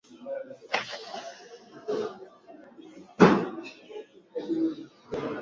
Wawe watu wako daima na milele